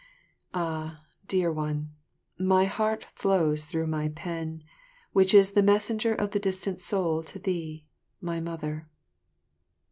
Ah, dear one, my heart flows through my pen, which is the messenger of the distant soul to thee, my Mother.